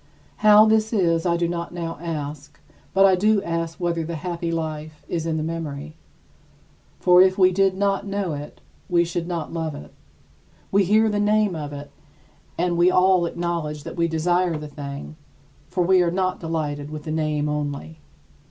How this is, I do not now ask; but I do ask whether the happy life is in the memory. For if we did not know it, we should not love it. We hear the name of it, and we all acknowledge that we desire the thing, for we are not delighted with the name only.